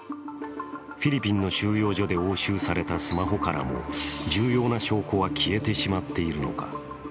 フィリピンの収容所で押収されたスマホからも重要な証拠は消えてしまっているのか。